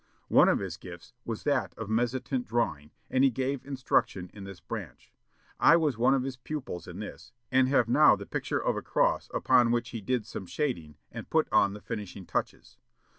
"One of his gifts was that of mezzotint drawing, and he gave instruction in this branch. I was one of his pupils in this, and have now the picture of a cross upon which he did some shading and put on the finishing touches.